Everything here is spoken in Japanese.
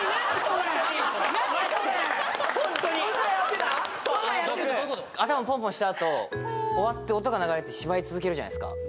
そうあの僕頭ポンポンしたあと終わって音が流れて芝居続けるじゃないですか